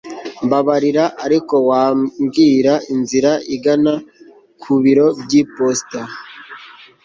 mbabarira, ariko wambwira inzira igana ku biro by'iposita